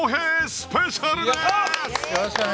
スペシャルです！